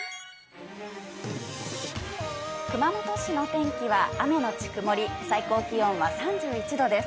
熊本市の天気は雨後曇り、最高気温は３１度です。